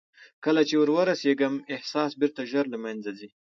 کله چې ور رسېږم احساس بېرته ژر له منځه ځي.